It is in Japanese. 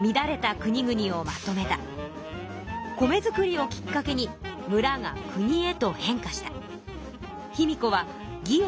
米作りをきっかけにむらがくにへと変化した。